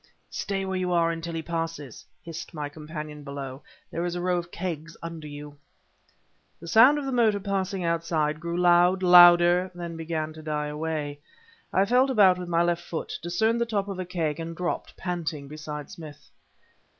"Stay where you are until he passes," hissed my companion, below. "There is a row of kegs under you." The sound of the motor passing outside grew loud louder then began to die away. I felt about with my left foot; discerned the top of a keg, and dropped, panting, beside Smith.